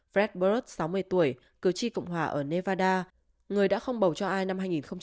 fret burroud sáu mươi tuổi cử tri cộng hòa ở nevada người đã không bầu cho ai năm hai nghìn hai mươi